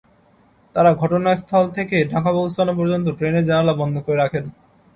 তারা ঘটনাস্থল থেকে ঢাকা পৌঁছানো পর্যন্ত ট্রেনের জানালা বন্ধ করে রাখেন।